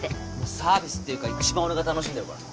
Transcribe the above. サービスっていうか一番俺が楽しんでるから。